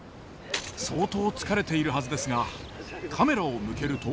相当疲れているはずですがカメラを向けると。